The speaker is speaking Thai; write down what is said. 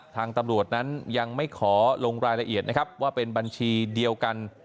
ทางตำรวจนั้นยังไม่ขอลงรายละเอียดนะครับว่าเป็นบัญชีเดียวกัน